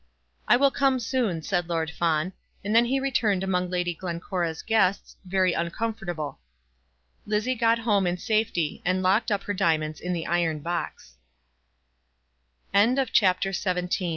"I will come soon," said Lord Fawn, and then he returned among Lady Glencora's guests, very uncomfortable. Lizzie got home in safety and locked up her diamonds in the iron box. CHAPTER XVIII "And I Have Nothing to